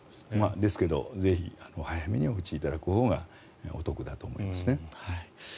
ですけどぜひ早めにお打ちいただくほうがお得だと思いますね。